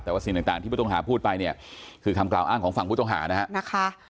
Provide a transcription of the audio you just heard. แต่ว่าสิ่งต่างที่ผู้ต้องหาพูดไปเนี่ยคือคำกล่าวอ้างของฝั่งผู้ต้องหานะฮะ